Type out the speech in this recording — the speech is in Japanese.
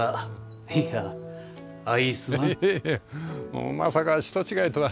もうまさか人違いとは。